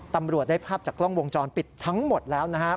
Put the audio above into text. ตำรวจได้ภาพจากกล้องวงจรปิดทั้งหมดแล้วนะครับ